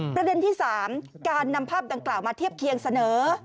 ประเด็นที่๓การนำภาพดังกล่าวมาเทียบเคียงเสนอ